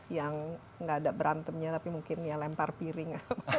yang nggak ada berantemnya tapi mungkin ya lempar piring